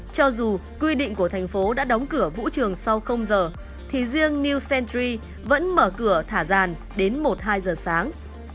cho dù quy định của thành phố đã đóng cửa vũ trường sau giờ thì riêng new celtry vẫn mở cửa thả giàn đến một hai giờ sáng